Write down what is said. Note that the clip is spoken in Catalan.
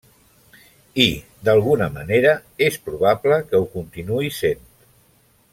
I, d'alguna manera, és probable que ho continuï sent.